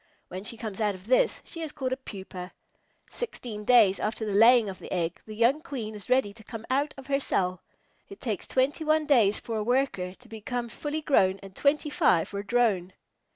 When she comes out of this, she is called a Pupa. Sixteen days after the laying of the egg, the young Queen is ready to come out of her cell. It takes twenty one days for a Worker to become fully grown and twenty five for a Drone.